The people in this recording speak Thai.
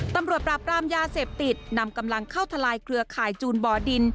ตำรวจปราบรามยาเสพติดนำกำลังเข้าทลายเครือข่ายจูนบ่อดิน